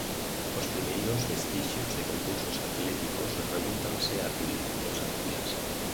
Os primeiros vestixios de concursos atléticos remóntanse a civilizacións antigas.